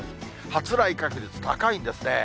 発雷確率高いんですね。